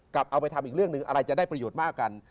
เอาไปทำอีกเรื่องหนึ่งอะไรจะได้ประโยชน์มากกัน